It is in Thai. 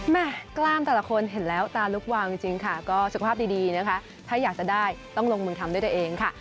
แม่กล้ามแต่ละคนเห็นแล้วตาลุกวางจริงค่ะก็สุขภาพดีนะคะถ้าอยากจะได้ต้องลงมือทำด้วยตัวเองค่ะ